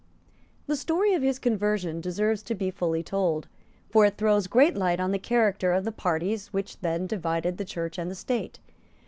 The story of his conversion deserves to be fully told; for it throws great light on the character of the parties which then divided the Church and the State.